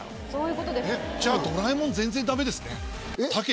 じゃあ『ドラえもん』全然ダメですね。